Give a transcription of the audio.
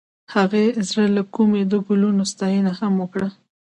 هغې د زړه له کومې د ګلونه ستاینه هم وکړه.